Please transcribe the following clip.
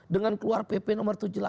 dengan keluar pp no tujuh puluh delapan